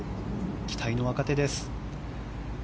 期待の若手です。